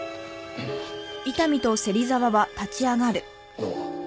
どうも。